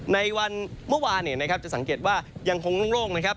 ในวันเมื่อวานเนี่ยนะครับจะสังเกตว่ายังคงโล่งนะครับ